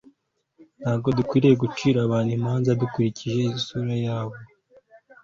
ntabwo dukwiye gucira abantu imanza dukurikije isura yabo